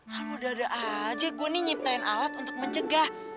kalau udah ada aja gue nih nyiptain alat untuk mencegah